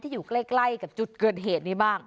อยู่ใกล้กับจุดเกิดเหตุนี้บ้าง